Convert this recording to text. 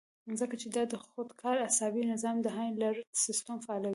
ځکه چې دا د خودکار اعصابي نظام د هائي الرټ سسټم فعالوي